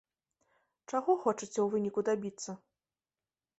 Чаго хочаце ў выніку дабіцца?